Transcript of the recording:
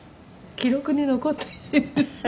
記録に残ってる？